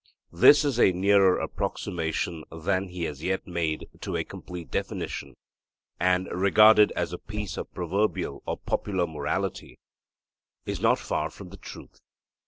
This is a nearer approximation than he has yet made to a complete definition, and, regarded as a piece of proverbial or popular morality, is not far from the truth.